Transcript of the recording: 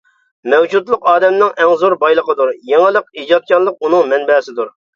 مەۋجۇتلۇق ئادەمنىڭ ئەڭ زور بايلىقىدۇر، يېڭىلىق، ئىجادچانلىق ئۇنىڭ مەنبەسىدۇر.